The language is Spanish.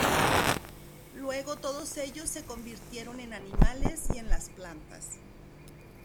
Luego todos ellos se convirtieron en animales y en las plantas.